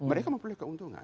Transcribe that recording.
mereka mempunyai keuntungan